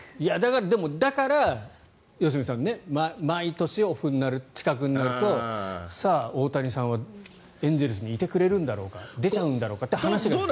でも、だから良純さん毎年オフ近くになるとさあ、大谷さんはエンゼルスにいてくれるんだろうか出ちゃうんだろうかって話がずっと続く。